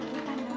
tunggu bu sita